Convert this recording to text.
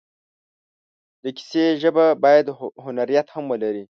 د کیسې ژبه باید هنریت هم ولري.